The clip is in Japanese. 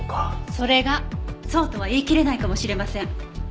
それがそうとは言いきれないかもしれません。